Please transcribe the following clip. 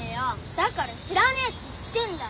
だから知らねえって言ってるだろ！